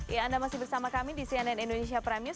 ya anda masih bersama kami di cnn indonesia prime news